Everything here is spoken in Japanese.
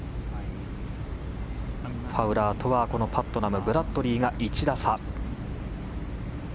ファウラーとはパットナムブラッドリーが１打差。